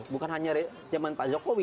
bukan hanya zaman pak jokowi